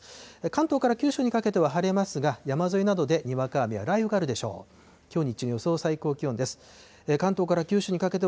関東から九州にかけては晴れますが、山沿いなどでにわか雨や雷雨があるでしょう。